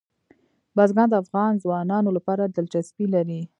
بزګان د افغان ځوانانو لپاره دلچسپي لري.